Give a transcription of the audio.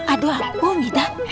aduh apa mita